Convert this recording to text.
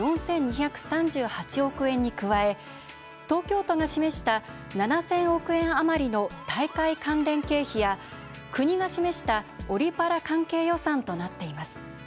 １兆４，２３８億円に加え東京都が示した７，０００億円余りの大会関連経費や国が示したオリパラ関係予算となっています。